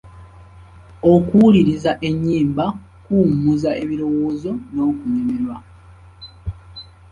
Okuwuliriza ennyimba kuwummuza ebirowoozo n'okunyumirwa.